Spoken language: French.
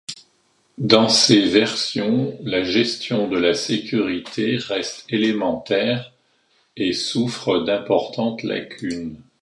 Dans ces versions, la gestion de la sécurité reste élémentaire et souffre d'importantes lacunes.